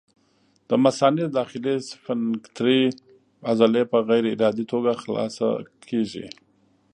د مثانې د داخلي سفنکترې عضلې په غیر ارادي توګه خلاصه کېږي.